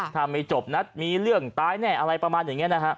ถ้าไม่จบนัดมีเรื่องตายแน่อะไรประมาณอย่างนี้นะฮะ